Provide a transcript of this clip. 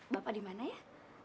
bapak di mana ya